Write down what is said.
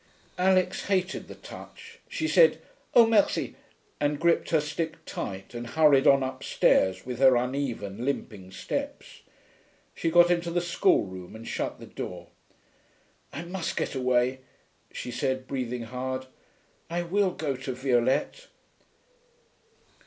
Alix hated the touch; she said, 'Oh, merci,' and gripped her stick tight and hurried on upstairs with her uneven, limping steps. She got into the schoolroom and shut the door. 'I must get away,' she said, breathing hard. 'I will go to Violette.'